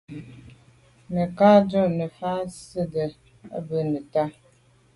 Nə̀ cǎ tǎ ú rə̌ nə̀ fà’ zí’də́ bə́ nə̀tá.